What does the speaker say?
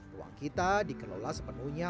ruang kita dikelola sepenuhnya